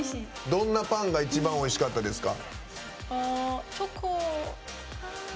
どんなパンが一番おいしかったですか？